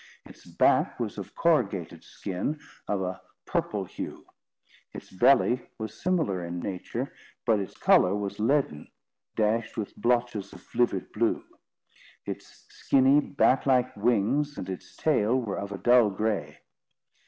Its back was of corrugated skin, of a purple hue. Its belly was similar in nature, but its colour was leaden, dashed with blotches of livid blue. Its skinny, bat like wings and its tail were of a dull gray.